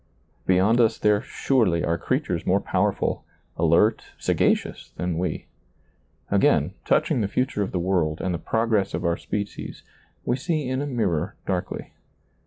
Beyond us there surely are creatures more powerful, alert, sagacious than we. Again, touch ing the future of the world and the progress of our species, we see in a mirror darkly.